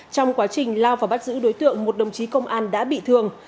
trong quá trình lao và bắt giữ đối tượng một đồng chí công an đã bị thương